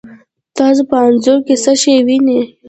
تاسو په انځور کې څه شی وینئ؟